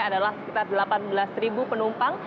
adalah sekitar delapan belas penumpang